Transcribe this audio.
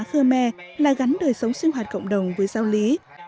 khơ me là gắn đời sống sinh hoạt cộng đồng với giáo lý